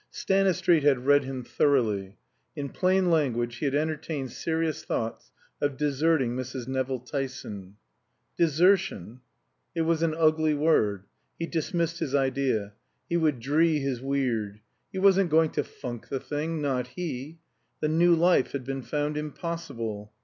Stanistreet had read him thoroughly. In plain language he had entertained serious thoughts of deserting Mrs. Nevill Tyson. Desertion? It was an ugly word. He dismissed his idea. He would dree his weird. He wasn't going to funk the thing not he! The New Life had been found impossible.